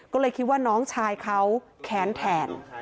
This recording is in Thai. ก็เลยคิดว่าน้องชายเขาแค้นแทน